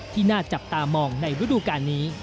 ที่น่าจับตามองในฤดูการนี้